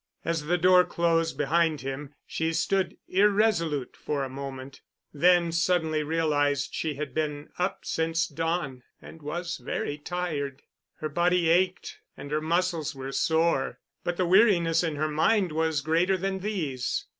As the door closed behind him she stood irresolute for a moment, then suddenly realized she had been up since dawn and was very tired. Her body ached, and her muscles were sore, but the weariness in her mind was greater than these.